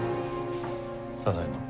ただいま。